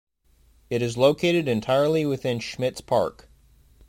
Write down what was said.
It is located entirely within Schmitz Park.